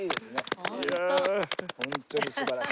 ホントに素晴らしい。